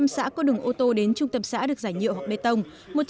một trăm linh xã có đường ô tô đến trung tâm xã được giải nhựa hoặc bê tông